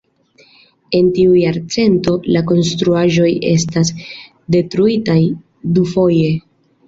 En tiu jarcento la konstruaĵoj estis detruitaj dufoje.